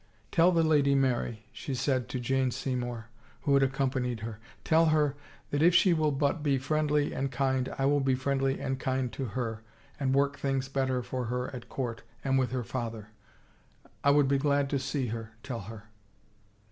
" Tell the Lady Mary," she said to Jane Seymour, who had accompanied her, " tell her that if she will but be friendly and kind I will be friendly and kind to her and work things better for her at court and with her father. ... I would be glad to see her, tell her."